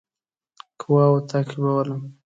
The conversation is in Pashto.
قواوو تعقیبولم.